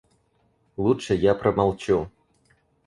Лучше я промолчу.